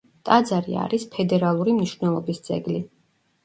ტაძარი არის ფედერალური მნიშვნელობის ძეგლი.